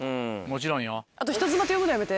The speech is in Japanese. もちろんよ。